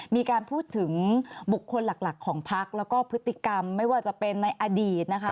มีการพูดถึงบุคคลหลักของพักแล้วก็พฤติกรรมไม่ว่าจะเป็นในอดีตนะคะ